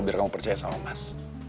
biar kamu percaya sama mas